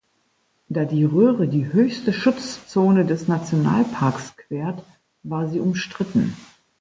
Da die Röhre die höchste Schutzzone des Nationalparks quert, war sie umstritten.